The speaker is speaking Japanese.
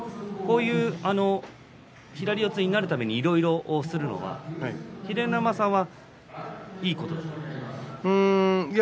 左四つになるためにいろいろするのは秀ノ山さんはいいことだと。